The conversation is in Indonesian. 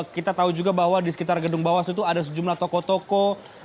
kita tahu juga bahwa di sekitar gedung bawah situ ada sejumlah toko toko